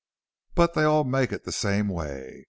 But they all make it the same way.